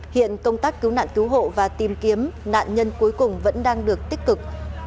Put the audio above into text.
hiện công tác cứu nạn cứu hộ và tìm kiếm nạn nhân cuối cùng vẫn đang được tích cực